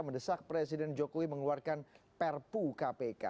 mendesak presiden jokowi mengeluarkan perpu kpk